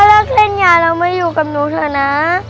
เลิกเล่นยาเรามาอยู่กับหนูเถอะนะ